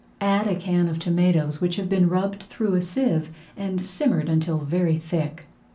Add a can of tomatoes which have been rubbed through a sieve and simmered until very thick.